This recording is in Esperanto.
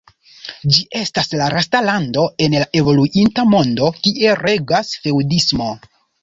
Ĝi estas la lasta lando en la evoluinta mondo, kie regas feŭdismo.